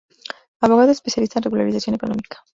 Abogado especialista en regulación económica.